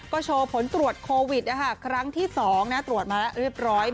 ก็โชว์ผลตรวจโควิดครั้งที่๒ตรวจมาแล้วเรียบร้อย